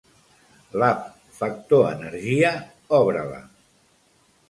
L'app Factor Energia obre-la.